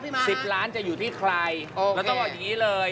พี่มาฮะ๑๐ล้านจะอยู่ที่ไคลโอเคอย่างนี้เลย